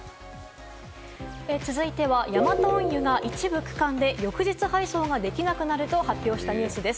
続いてはヤマト運輸が一部区間で翌日配送ができなくなると発表したニュースです。